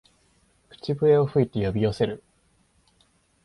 口笛を吹いて呼び寄せる